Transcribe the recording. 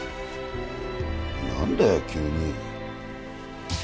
何だよ急に。